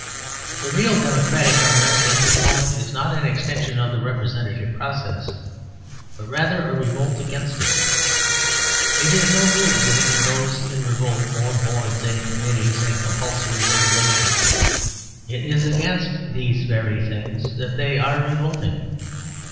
The real democratic unrest at this moment is not an extension of the representative process, but rather a revolt against it. It is no good giving those now in revolt more boards and committees and compulsory regulations. It is against these very things that they are revolting.